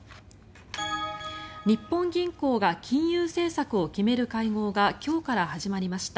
日本銀行が金融政策を決める会合が今日から始まりました。